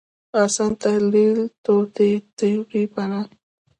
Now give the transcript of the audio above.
اسان تحلیل توطیې تیوري پناه